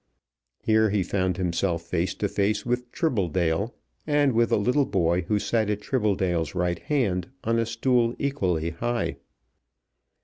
Here he found himself face to face with Tribbledale and with a little boy who sat at Tribbledale's right hand on a stool equally high.